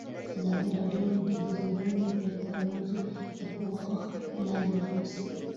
ازادي راډیو د د ځنګلونو پرېکول موضوع تر پوښښ لاندې راوستې.